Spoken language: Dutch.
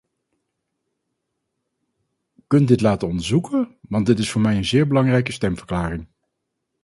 Kunt dit laten onderzoeken, want dit is voor mij een zeer belangrijke stemverklaring?